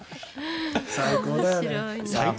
最高だよね。